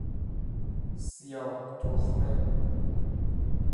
سیاه تخمه